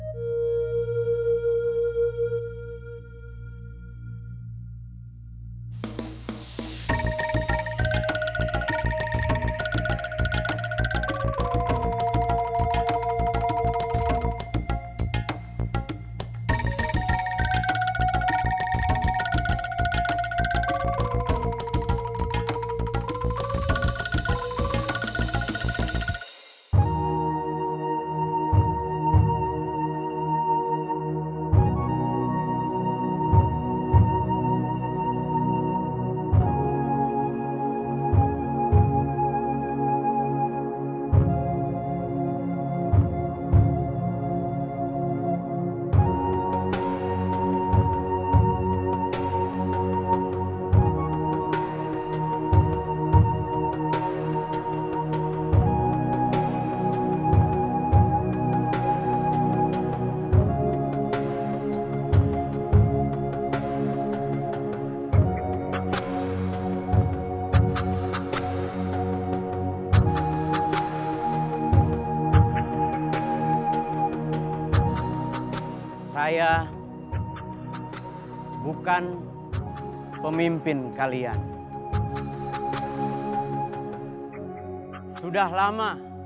tanpa masalah ram